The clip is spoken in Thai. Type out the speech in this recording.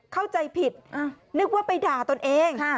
เข้าใจผิดนึกว่าไปด่าตนเอง